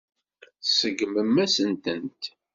Tseggmem-asent-tent.